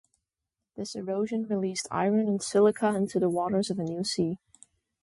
This erosion released iron and silica into the waters of a new sea.